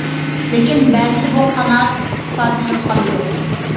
لېكىن بەزىدە بۇ قانات ئىپادىلىنىپ قالىدۇ.